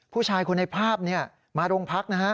ผู้ชายคนในภาพมาโรงพักนะฮะ